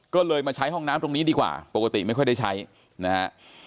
ก็เลยมาใช้ห้องน้ำตรงนี้ดีกว่าปกติไม่ค่อยได้ใช้นะฮะ